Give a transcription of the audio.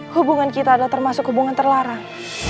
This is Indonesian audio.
hubungan kita adalah termasuk hubungan terlarang